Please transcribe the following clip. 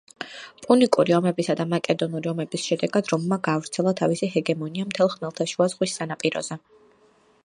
პუნიკური ომებისა და მაკედონური ომების შედეგად რომმა გაავრცელა თავისი ჰეგემონია მთელ ხმელთაშუა ზღვის სანაპიროზე.